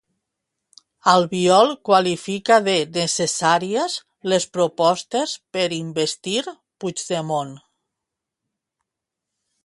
Albiol qualifica de “necessàries” les propostes per investir Puigdemont.